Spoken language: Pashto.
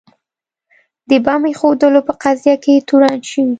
د بمب ایښودلو په قضیه کې تورن شوي.